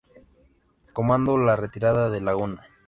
Comandó la "Retirada de Laguna".